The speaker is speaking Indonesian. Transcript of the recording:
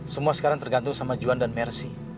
semua sekarang tergantung sama juan dan mercy